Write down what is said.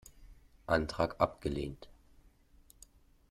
Antrag abgelehnt!